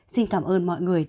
xin cảm ơn mọi người đã làm